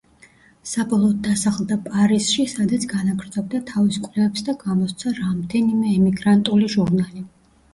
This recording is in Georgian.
საბოლოოდ დასახლდა პარიზში, სადაც განაგრძობდა თავის კვლევებს და გამოსცა რამდენიმე ემიგრანტული ჟურნალი.